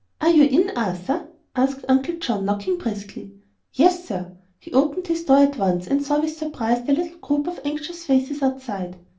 "Are you in, Arthur?" asked Uncle John, knocking briskly. "Yes, sir." He opened his door at once, and saw with surprise the little group of anxious faces outside.